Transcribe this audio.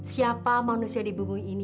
siapa manusia di bumi ini